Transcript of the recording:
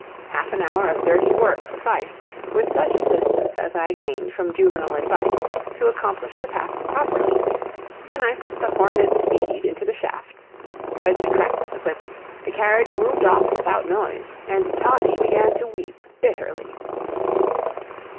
Half an hour of dirty work sufficed, with such assistance as I gained from juvenile advice, to accomplish the task properly; then I put the horned steed into the shafts, Budge cracked the whip, the carriage moved off without noise, and Toddie began to weep bitterly.